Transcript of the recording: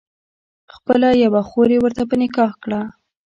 خپله یوه خور یې ورته په نکاح کړه.